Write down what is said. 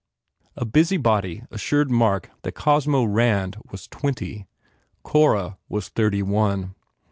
A busybody assured Mark that Cosmo Rand was twenty. Cora was thirty one.